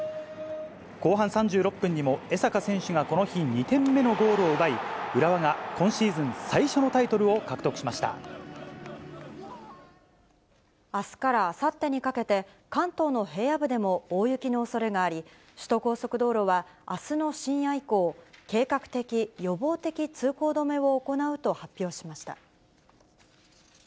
後半３６分にも、江坂選手がこの日２点目のゴールを奪い、浦和が今シーズン最初のあすからあさってにかけて、関東の平野部でも大雪のおそれがあり、首都高速道路はあすの深夜以降、計画的・予防的通行止めを行うと発表しました。